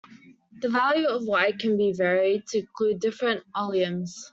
The value of "y" can be varied, to include different oleums.